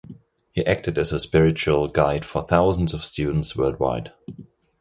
He acted as a spiritual guide for thousands of students worldwide.